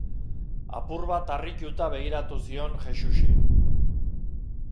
Apur bat harrituta begiratu nion Jexuxi.